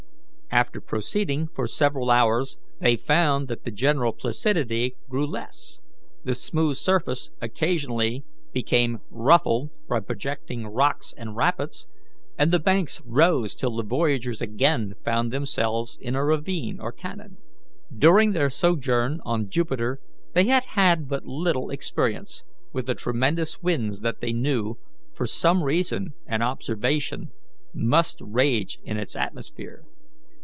After proceeding for several hours, they found that the general placidity grew less, the smooth surface occasionally became ruffled by projecting rocks and rapids, and the banks rose till the voyagers again found themselves in a ravine or canon. During their sojourn on Jupiter they had had but little experience with the tremendous winds that they knew, from reason and observation, must rage in its atmosphere.